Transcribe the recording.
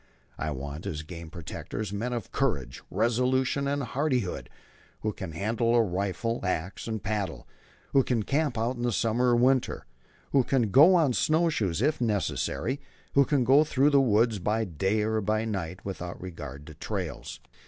I want as game protectors men of courage, resolution, and hardihood, who can handle the rifle, ax, and paddle; who can camp out in summer or winter; who can go on snow shoes, if necessary; who can go through the woods by day or by night without regard to trails.